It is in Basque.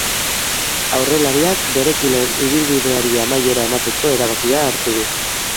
Aurrelariak bere kirol ibilbideari amaiera emateko erabakia hartu du.